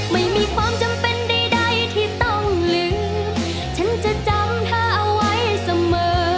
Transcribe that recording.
ไม่มีความจำเป็นใดที่ต้องลืมฉันจะจำเธอเอาไว้เสมอ